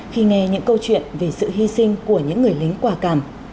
khi nghe những câu chuyện về sự hy sinh của những người lính quả cảm